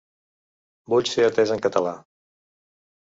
Vull ser atés en català.